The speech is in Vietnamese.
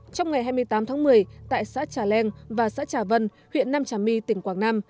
trong ngày hai mươi tám tháng một mươi tại xã trà leng và xã trà vân huyện nam trà my tỉnh quảng nam